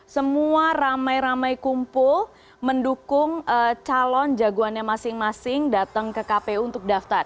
semua ramai ramai kumpul mendukung calon jagoannya masing masing datang ke kpu untuk daftar